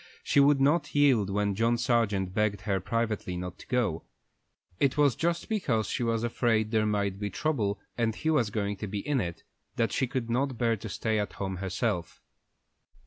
She would not yield when John Sargent begged her privately not to go. It was just because she was afraid there might be trouble, and he was going to be in it, that she could not bear to stay at home herself.